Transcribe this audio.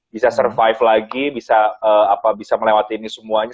bisa survive lagi bisa melewati ini semuanya